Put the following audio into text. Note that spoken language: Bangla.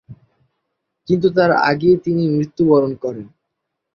কিন্তু তার আগেই তিনি মৃত্যুবরণ করেন।